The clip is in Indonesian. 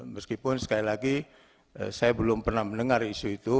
meskipun sekali lagi saya belum pernah mendengar isu itu